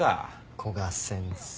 古賀先生。